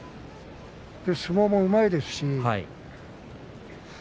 相撲もうまいですし。